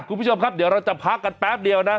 คุณผู้ชมครับเดี๋ยวเราจะพักกันแป๊บเดียวนะ